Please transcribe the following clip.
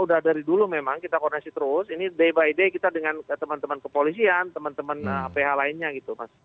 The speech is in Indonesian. udah dari dulu memang kita koneksi terus ini day by day kita dengan teman teman kepolisian teman teman ph lainnya gitu mas